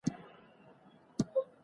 ښځو ته وسپارلې،